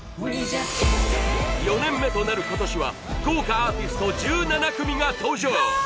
４年目となる今年は豪華アーティスト１７組が登場。